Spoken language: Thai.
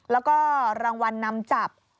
แล้วก็รางวัลนำจับ